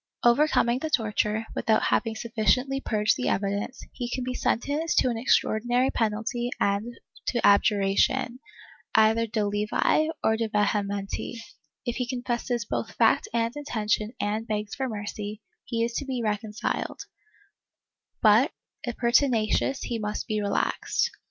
Overcoming the torture, without having sufficiently purged the evidence, he can be sentenced to an extraordinary penalty and to abjuration, either de levi or de vehementi: if he confesses both fact and intention and begs for mercy, he is to be reconciled, but if pertinacious he must be relaxed.